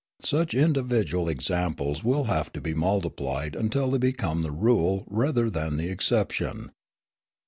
Such individual examples will have to be multiplied until they become the rule rather than the exception.